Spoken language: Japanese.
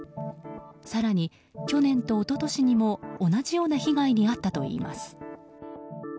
更に去年と一昨年にも同じような被害に遭ったといいます。